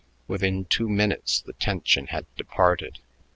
Within two minutes the tension had departed.